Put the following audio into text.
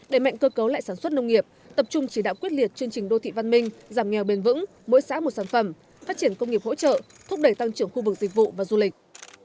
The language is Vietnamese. để mạnh cơ cấu lại sản xuất nông nghiệp tập trung chỉ đạo quyết liệt chương trình đô thị văn minh giảm nghèo bền vững mỗi xã một sản phẩm phát triển công nghiệp hỗ trợ thúc đẩy tăng trưởng khu vực dịch vụ và du lịch